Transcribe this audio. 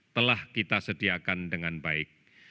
telah kita sediakan dengan baik